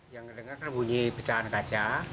yang dengar kan bunyi pecahan kaca